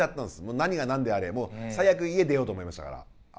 何がなんであれ最悪家出ようと思いましたから。